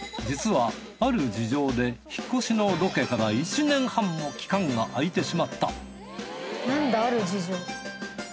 実はある事情で引っ越しのロケから１年半も期間が空いてしまった。